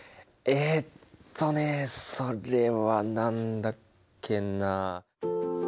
えとねそれは何だっけな。